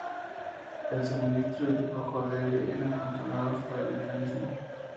El suministro y el flujo de aire eran controlados por el mecanismo.